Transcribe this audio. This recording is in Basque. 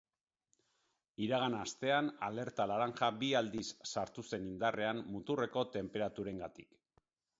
Iragan astean alerta laranja bi aldiz sartu zen indarrean muturreko tenperaturengatik.